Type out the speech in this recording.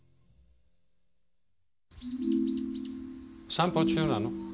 散歩中なの？